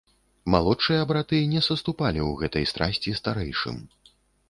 Малодшыя браты не саступалі ў гэтай страсці старэйшым.